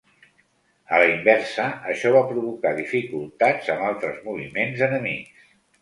A la inversa, això va provocar dificultats amb altres moviments enemics.